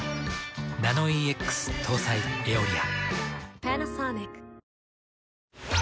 ナノイーＸ搭載「エオリア」。